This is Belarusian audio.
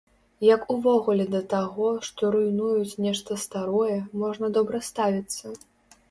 Як увогуле да таго, што руйнуюць нешта старое, можна добра ставіцца?